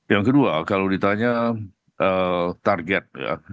yang kedua kalau ditanya target ya